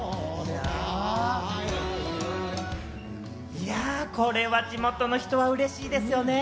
いや、これは地元の人は嬉しいですよね。